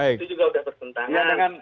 itu juga sudah bertentangan